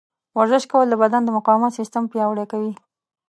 ورزش کول د بدن د مقاومت سیستم پیاوړی کوي.